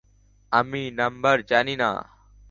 আমি নাম্বার জানি না।